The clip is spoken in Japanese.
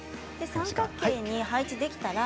三角形に配置できたら？